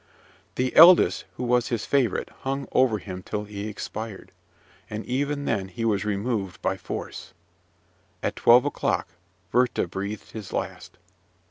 The eldest, who was his favourite, hung over him till he expired; and even then he was removed by force. At twelve o'clock Werther breathed his last.